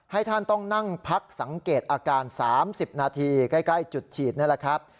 ท่านต้องนั่งพักสังเกตอาการ๓๐นาทีใกล้จุดฉีดนี่แหละครับ